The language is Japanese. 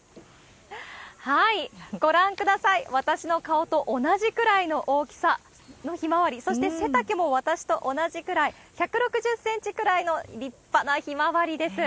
ご覧ください、私の顔と同じくらいの大きさのヒマワリ、そして背丈も私と同じくらい、１６０センチくらいの立派なヒマワリです。